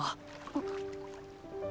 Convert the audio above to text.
あっ。